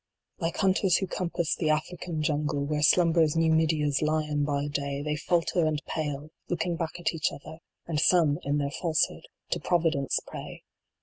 Like hunters who compass the African jungle, Where slumbers Numidia s lion by day, They falter and pale, looking back at each other, And some, in their falsehood, to Providence pray